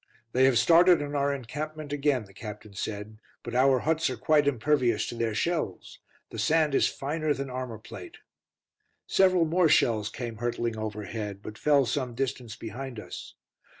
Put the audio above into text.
"They have started on our encampment again," the Captain said, "but our huts are quite impervious to their shells; the sand is finer than armourplate." Several more shells came hurtling overheard, but fell some distance behind us.